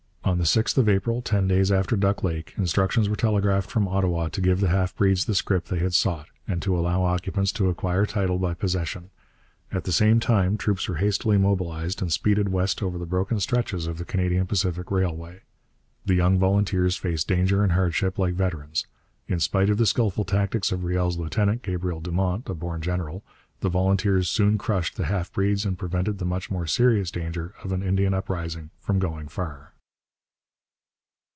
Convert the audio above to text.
On the 6th of April, ten days after Duck Lake, instructions were telegraphed from Ottawa to give the half breeds the scrip they had sought, and to allow occupants to acquire title by possession. At the same time troops were hastily mobilized and speeded west over the broken stretches of the Canadian Pacific Railway. The young volunteers faced danger and hardship like veterans. In spite of the skilful tactics of Riel's lieutenant, Gabriel Dumont, a born general, the volunteers soon crushed the half breeds and prevented the much more serious danger of an Indian uprising from going far.